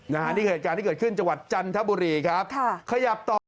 นี่คือการที่เกิดขึ้นจังหวัดจันทบุรีครับ